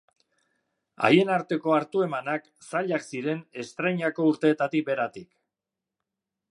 Haien arteko hartu-emanak zailak ziren estreinako urtetatik beratik.